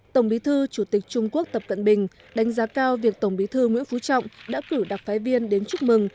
tổng bí thư chủ tịch trung quốc tập cận bình đánh giá cao việc tổng bí thư nguyễn phú trọng đã cử đặc phái viên đến chúc mừng